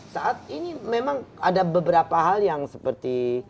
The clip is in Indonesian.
saat ini memang ada beberapa hal yang seperti